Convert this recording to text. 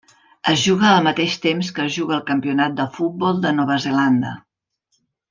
Es juga al mateix temps que es juga el Campionat de Futbol de Nova Zelanda.